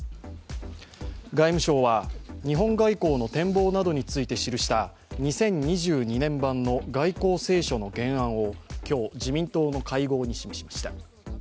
外務省は日本外交の展望などについて記した２０２２年版の外交青書の原案を今日、自民党の会合に示しました。